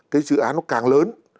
cái dự án nó càng lớn